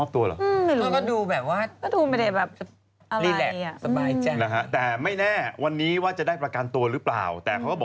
แต่เหรอเมื่อกี้นี่ก็ดูเหมือนแบบ